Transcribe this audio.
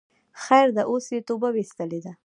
خیر ده اوس یی توبه ویستلی ده